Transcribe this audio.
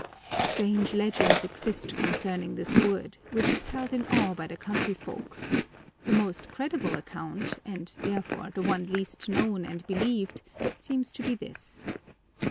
Strange legends exist concerning this wood, which is held in awe by the country folk. The most credible account, and therefore the one least known and believed, seems to be this.